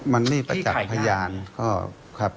มันมีประจัดพยานครับ